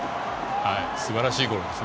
すばらしいゴールです。